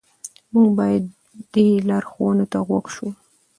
موږ باید دې لارښوونې ته غوږ شو.